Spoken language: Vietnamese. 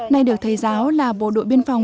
nay được thầy giáo là bộ đội biên phòng